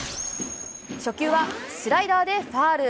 初球はスライダーでファウル。